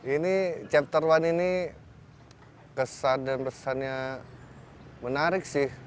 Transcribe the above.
ini chapter one ini kesan dan pesannya menarik sih